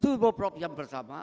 dan pesawat terbang yang pertama